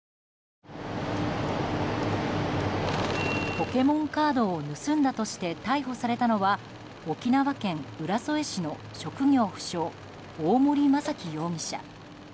ポケモンカードを盗んだとして逮捕されたのは沖縄県浦添市の職業不詳大森正樹容疑者。